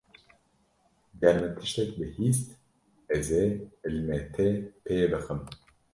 Ger min tiştek bihîst, ez ê ilmê te pê bixim.